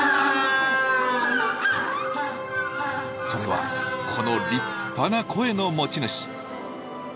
それはこの立派な声の持ち主。